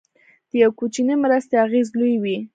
د یو کوچنۍ مرستې اغېز لوی وي.